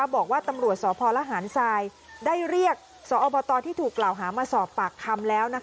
บอกว่าตำรวจสพลหารทรายได้เรียกสอบตที่ถูกกล่าวหามาสอบปากคำแล้ว